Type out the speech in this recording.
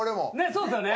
そうですよね。